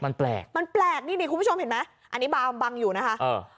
มันแปลกมันแปลกนี่นี่คุณผู้ชมเห็นไหมอันนี้บามบังอยู่นะคะเออ